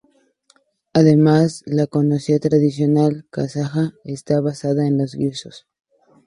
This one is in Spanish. Además, la cocina tradicional kazaja está basada en los guisos.